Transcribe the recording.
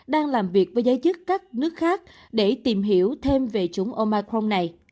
đang làm việc với giới chức các nước khác để tìm hiểu thêm về chủng omar này